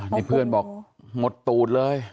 นี่เพื่อนบอกหมดตูดเลย